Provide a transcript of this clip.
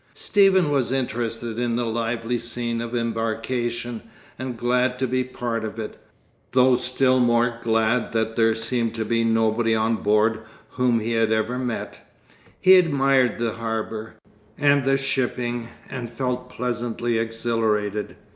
Stephen was interested in the lively scene of embarkation, and glad to be a part of it, though still more glad that there seemed to be nobody on board whom he had ever met. He admired the harbour, and the shipping, and felt pleasantly exhilarated.